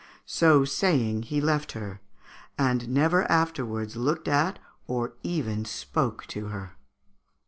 So saying he left her, and never afterwards looked at or even spoke to her."